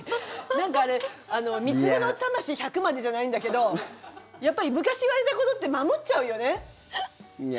三つ子の魂百までじゃないんだけどやっぱり昔は言われたことって守っちゃうよね。